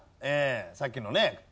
さっきのね。